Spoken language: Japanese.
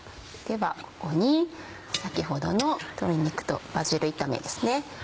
ではここに先ほどの鶏肉とバジル炒めですね。